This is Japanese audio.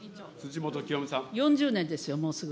４０年ですよ、もうすぐ。